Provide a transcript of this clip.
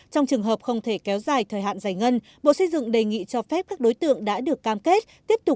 trong trường hợp không thể kéo dài thời hạn giải ngân bộ xây dựng đề nghị cho phép các đối tượng đã được cam kết tiếp tục